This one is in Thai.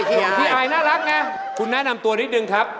พี่อายน่ารักไงคุณแนะนำตัวนิดนึงครับ